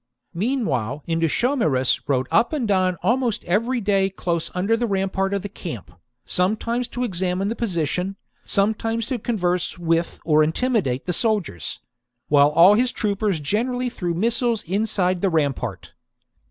Meanwhile Indutiomarus rode up and down almost every day close under ^ the rampart of the camp, sometimes to examine the position, sometimes to converse with or intimidate the soldiers ; while all his troopers generally threw missiles inside the rampart.